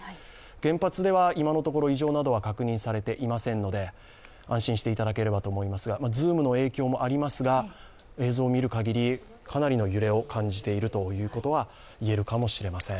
原発では今のところ異常などは確認されていませんので安心していただければと思いますが、ズームの影響もありますが、映像を見る限り、かなりの揺れを感じているということはいえるかもしれません。